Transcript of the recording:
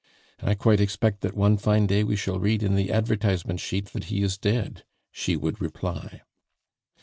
"I quite expect that one fine day we shall read in the advertisement sheet that he is dead," she would reply.